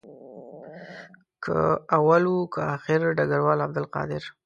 که اول وو که آخر ډګروال عبدالقادر.